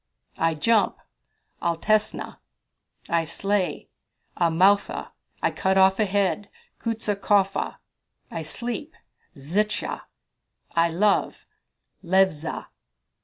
"I jump Altesna." "I slay Amoutha." "I cut off a head Ksutaskofa." "I sleep Zlcha." "I love Levza."